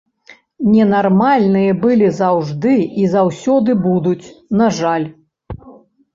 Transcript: Ненармальныя былі заўжды і заўсёды будуць, на жаль.